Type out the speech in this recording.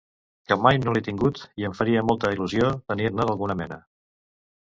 Que mai no l'he tingut i em faria molta il·lusió tenir-ne, d'alguna mena.